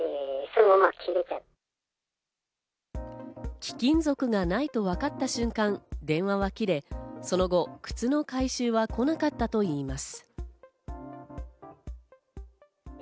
貴金属がないと分かった瞬間、電話は切れ、その後、靴の回収は来なかったといいます。